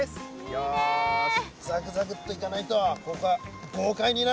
よし。